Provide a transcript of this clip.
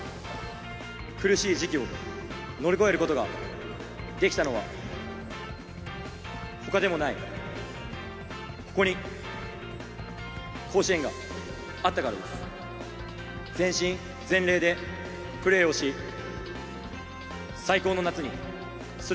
苦しい時期を乗り越えることができたのは、ほかでもない、ここに甲子園があったからです。